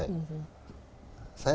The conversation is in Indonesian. saya kalau misalnya